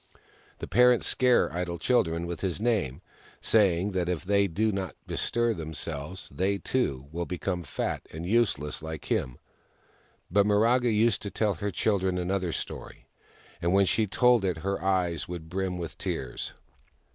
The parents scare idle children with his name, saying that if they do not bestir themselves they, too, will become fat and useless like him. But Miraga used to tell her children another story, and when she told it her eyes would brim with tears.